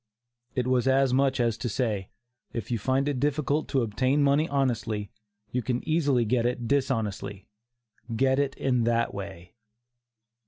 It was as much as to say, "if you find it difficult to obtain money honestly, you can easily get it dishonestly. Get it in that way."